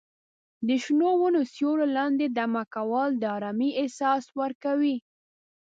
د شنو ونو سیوري لاندې دمه کول د ارامۍ احساس ورکوي.